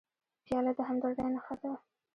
پیاله د همدردۍ نښه ده.